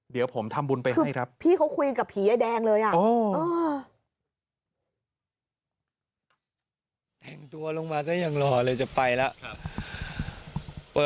เดี๋ยวผมทำบุญไปให้ครับ